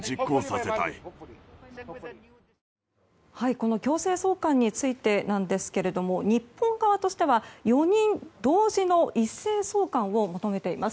この強制送還についてなんですが日本側としては４人同時の一斉送還を求めています。